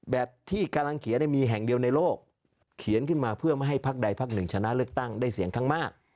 ที่กำลังเขียนมีแห่งเดียวในโลกเขียนขึ้นมาเพื่อไม่ให้พักใดพักหนึ่งชนะเลือกตั้งได้เสียงข้างมาก